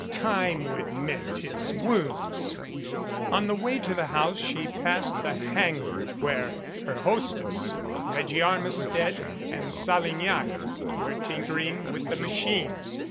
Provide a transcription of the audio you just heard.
Time would mend his wounds. On the way to the house she passed the hangar where her hostess, Reggie Armistead and Salignac were tinkering with the machines.